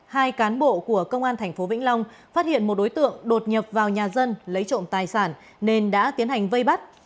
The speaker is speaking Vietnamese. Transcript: hai cán bộ của công an tp vĩnh long phát hiện một đối tượng đột nhập vào nhà dân lấy trộm tài sản nên đã tiến hành vây bắt